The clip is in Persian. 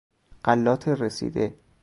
غلات رسیده